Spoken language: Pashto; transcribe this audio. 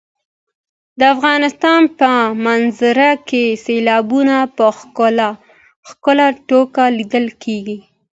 د افغانستان په منظره کې سیلابونه په ښکاره توګه لیدل کېږي.